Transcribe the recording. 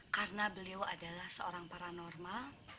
karena beliau adalah seorang paranormal